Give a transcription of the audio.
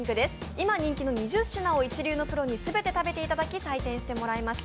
今人気の２０品を一流のプロに全て食べていただき、採点していただきました。